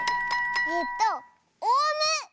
えっとオウム！